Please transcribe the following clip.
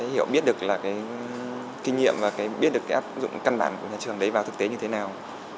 hiểu biết được kinh nghiệm và biết được áp dụng căn bản của nhà trường đấy vào thực tế như thế nào